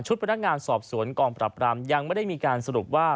พนักงานสอบสวนกองปรับรามยังไม่ได้มีการสรุปว่า